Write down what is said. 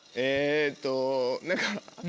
えっと何か。